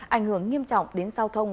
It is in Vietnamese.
ảnh hưởng nghiêm trọng đến giao thông